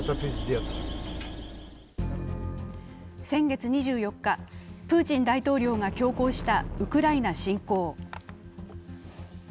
先月２４日、プーチン大統領が強行したウクライナ侵攻。